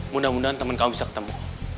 mudah mudahan teman kamu bisa ketemu